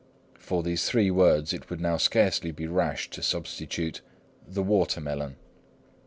For these three words it would now scarcely be rash to substitute "the watermelon."